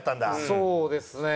そうですね。